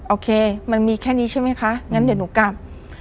โอเคมันมีแค่นี้ใช่ไหมคะงั้นเดี๋ยวหนูกลับ